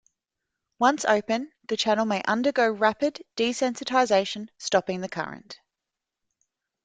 Once open, the channel may undergo rapid desensitization, stopping the current.